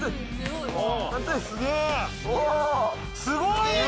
すごい。